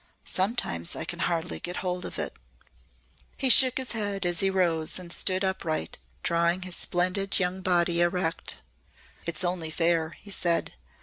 Sometimes I can hardly get hold of it." He shook his head as he rose and stood upright, drawing his splendid young body erect. "It's only fair," he said.